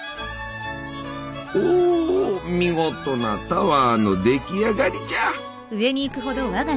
おお見事なタワーの出来上がりじゃ！